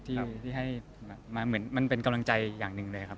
ที่ให้มาเหมือนมันเป็นกำลังใจอย่างหนึ่งเลยครับ